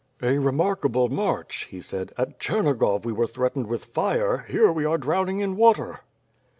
"A remarkable march,'' he said. "At Chernigov we were threatened with fire; here we are drowning in water."